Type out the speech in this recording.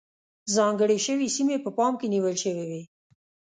ځانګړې شوې سیمې په پام کې نیول شوې وې.